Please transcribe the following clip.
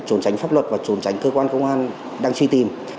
trốn tránh pháp luật và trốn tránh cơ quan công an đang truy tìm